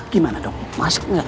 gimana dong masuk gak